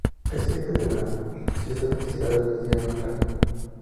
Es jefe de la sección Investigaciones del diario Clarín.